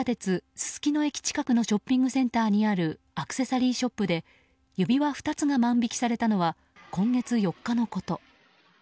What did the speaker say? すすきの駅近くのショッピングセンターにあるアクセサリーショップで指輪２つが万引きされたのは今月４日のこと。